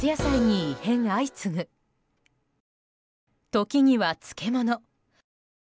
時には漬物。